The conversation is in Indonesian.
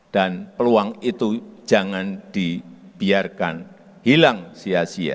dan peluang itu jangan dibiarkan hilang sia sia